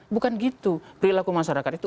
bukan gitu perilaku masyarakat itu